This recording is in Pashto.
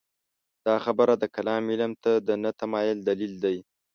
دا خبره د کلام علم ته د نه تمایل دلیل دی.